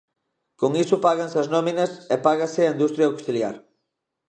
Con iso páganse as nóminas e págase á industria auxiliar.